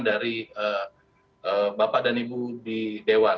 dari bapak dan ibu di dewan